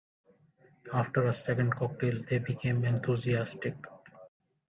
After a second cocktail they became enthusiastic.